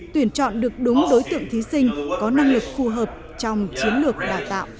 tuyển chọn được đúng đối tượng thí sinh có năng lực phù hợp trong chiến lược đào tạo